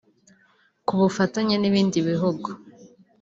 ku bufatanye n’ibindi bihugu